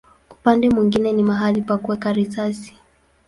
Upande mwingine ni mahali pa kuweka risasi.